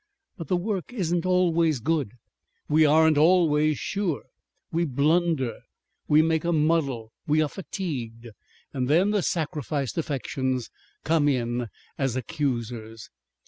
But the work isn't always good, we aren't always sure. We blunder, we make a muddle, we are fatigued. Then the sacrificed affections come in as accusers.